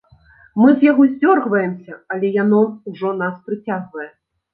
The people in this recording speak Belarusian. Мы з яго здзёргваемся, але яно ўжо нас прыцягвае.